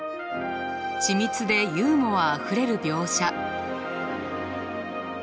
緻密でユーモアあふれる描写。